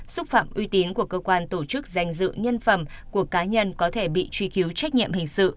xúc phạm uy tín của cơ quan tổ chức danh dự nhân phẩm của cá nhân có thể bị truy cứu trách nhiệm hình sự